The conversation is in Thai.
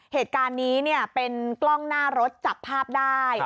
เหตุการณ์นี้เป็นกล้องหน้ารถจับภาพได้